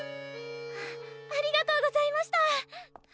あありがとうございました！